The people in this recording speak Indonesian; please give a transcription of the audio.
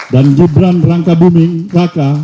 dan gibran rangka buming raka